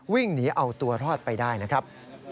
วิ่งหนีเอาตัวรอดไปได้นะครับ